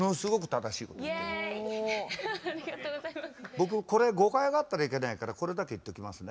僕これ誤解があったらいけないからこれだけ言っておきますね。